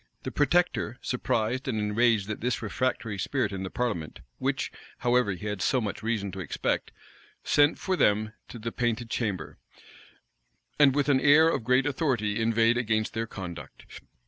The protector, surprised and enraged at this refractory spirit in the parliament, which, however, he had so much reason to expect, sent for them to the painted chamber, and with an air of great authority inveighed against their conduct.